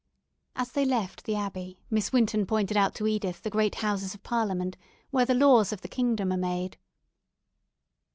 As they left the Abbey, Miss Winton pointed out to Edith the great Houses of Parliament, where the laws of the kingdom are made.